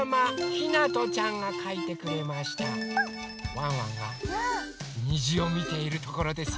ワンワンがにじをみているところですよ。